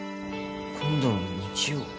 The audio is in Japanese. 今度の日曜？